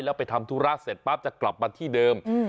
แล้วไปทำธุระเสร็จปั๊บจะกลับมาที่เดิม